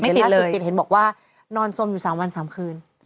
สิบติดบอกว่านอนสมอยู่๓วัน๓คืน